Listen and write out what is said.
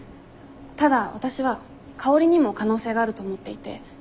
ただわたしは香りにも可能性があると思っていて。